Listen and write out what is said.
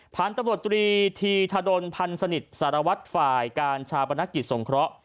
ผ่านตำรวจตรีธีธดลพันธ์สนิทสารวัตรฝ่ายการชาปนกิจสงเคราะห์